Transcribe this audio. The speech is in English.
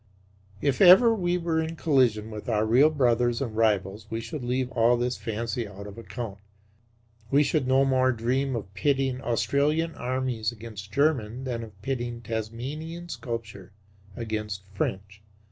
If ever we were in collision with our real brothers and rivals we should leave all this fancy out of account. We should no more dream of pitting Australian armies against German than of pitting Tasmanian sculpture against French.